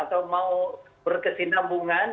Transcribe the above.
atau mau berkesinambungan